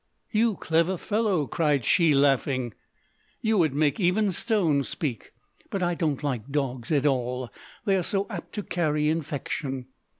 "You clever fellow," cried she, laughing; "you would make even stones speak. But I don't like dogs at all: they are so apt to carry infection."